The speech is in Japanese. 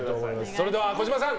それでは児嶋さん